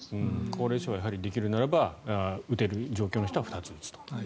高齢者はやはりできるならば打てる人は２つ打つと。